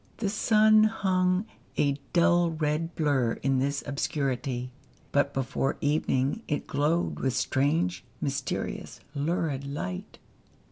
The sun hung, a dull red blur in this obscurity ; but before evening it glowed with strange, mysterious, lurid light.